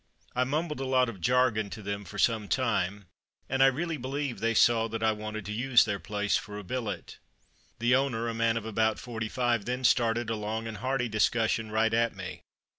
I mumbled a lot of jargon to them for some time, and I really believe they saw that I wanted to use their place for a billet. The owner, a man of about forty five, then started a long and hardy discussion right at me.